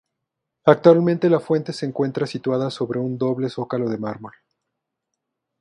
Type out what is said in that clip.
Actualmente la fuente se encuentra situada sobre un doble zócalo de mármol.